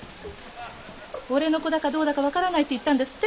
俺の子だかどうだか分からないって言ったんですって？